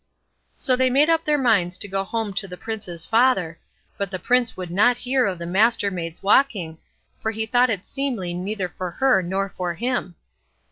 So they made up their minds to go home to the Prince's father, but the Prince would not hear of the Mastermaid's walking, for he thought it seemly neither for her nor for him.